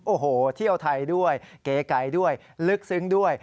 โอ้โหเที่ยวไทยด้วยเก๋ไก่ด้วยลึกซึ้งด้วย